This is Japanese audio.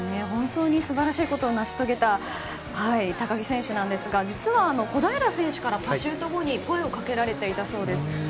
本当に素晴らしいことを成し遂げた高木選手なんですが、実は小平選手からパシュート後に声を掛けられていたそうです。